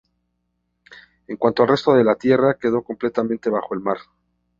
En cuanto al resto de la tierra quedó completamente bajo el mar.